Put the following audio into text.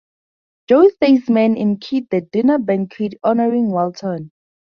Joe Theismann emceed the dinner banquet honoring Walton.